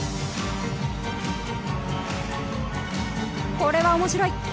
これは面白い。